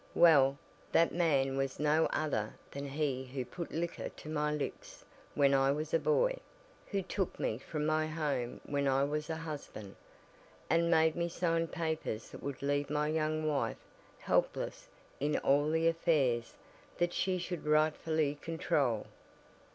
Well, that man was no other than he who put liquor to my lips when I was a boy; who took me from my home when I was a husband, and made me sign papers that would leave my young wife helpless in all the affairs that she should rightfully control.